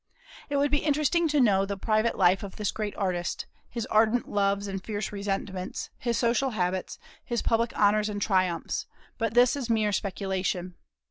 It would be interesting to know the private life of this great artist, his ardent loves and fierce resentments, his social habits, his public honors and triumphs, but this is mere speculation.